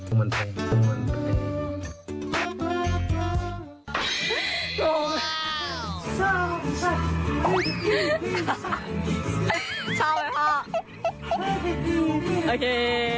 โอเค